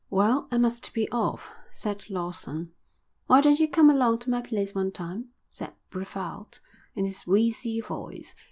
"Well, I must be off," said Lawson. "Why don't you come along to my place one time?" said Brevald, in his wheezy voice.